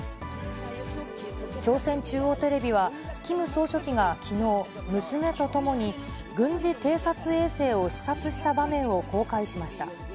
朝鮮中央テレビは、キム総書記がきのう、娘とともに軍事偵察衛星を視察した場面を公開しました。